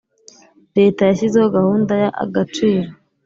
Leta yashyizeho gahunda ya Agaciro